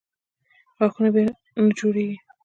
غاښونه بیا نه جوړېږي.